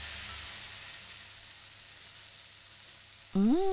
うん。